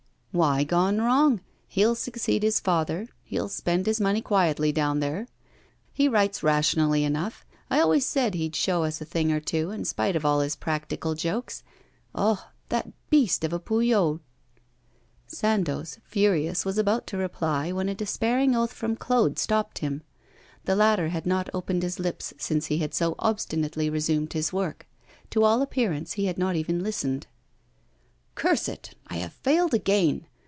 'Why gone wrong? He'll succeed his father; he'll spend his money quietly down there. He writes rationally enough. I always said he'd show us a thing or two, in spite of all his practical jokes. Ah! that beast of a Pouillaud.' Sandoz, furious, was about to reply, when a despairing oath from Claude stopped him. The latter had not opened his lips since he had so obstinately resumed his work. To all appearance he had not even listened. 'Curse it I have failed again.